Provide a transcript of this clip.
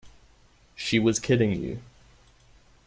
She was kidding you.